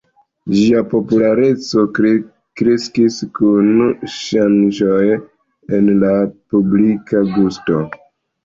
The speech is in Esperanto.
Ĝia populareco kreskis kun ŝanĝoj en la publika gusto.